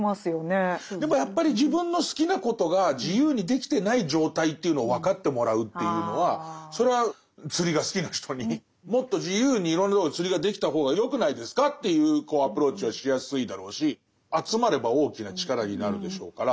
でもやっぱり自分の好きなことが自由にできてない状態というのを分かってもらうというのはそれは釣りが好きな人にもっと自由にいろんなとこで釣りができた方がよくないですかというアプローチはしやすいだろうし集まれば大きな力になるでしょうから。